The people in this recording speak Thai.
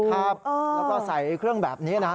ครับแล้วก็ใส่เครื่องแบบนี้นะ